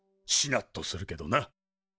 しなっとするけどな。